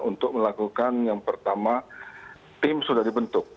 untuk melakukan yang pertama tim sudah dibentuk